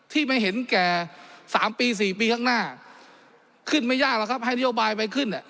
ไม่เห็นแก่๓ปี๔ปีข้างหน้าขึ้นไม่ยากหรอกครับให้นโยบายไปขึ้น